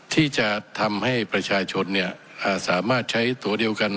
ที่จะทำให้ประชาชนสามารถใช้ตัวเดียวกัน